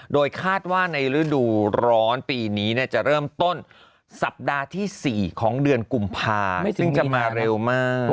โดยคาดว่าในฤดูร้อนปีนี้จะเริ่มต้นสัปดาห์ที่๔ของเดือนกุมภาซึ่งจะมาเร็วมาก